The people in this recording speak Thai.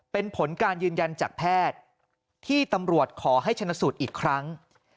เป็นผลการยืนยันจากแพทย์ที่ตำรวจขอให้ชนะสูตรอีกครั้ง